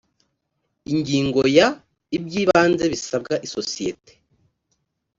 ingingo ya iby ibanze bisabwa isosiyete